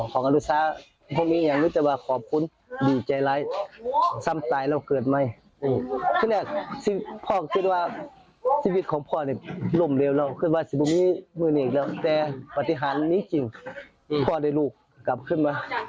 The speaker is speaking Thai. ของอนุชาธิ์พวกมีอย่างนึกจากว่าขอบคุณ